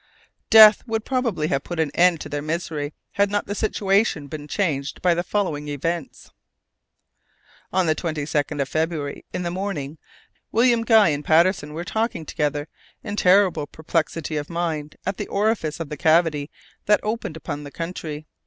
Death would probably have put an end to their misery had not the situation been changed by the following events. On the 22nd of February, in the morning, William Guy and Patterson were talking together, in terrible perplexity of mind, at the orifice of the cavity that opened upon the country.